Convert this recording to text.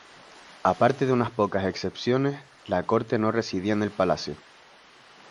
Aparte de unas pocas excepciones, la corte no residía en el palacio.